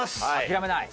諦めない。